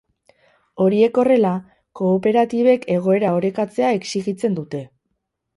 Horiek horrela, kooperatibek egoera orekatzea exijitzen dute.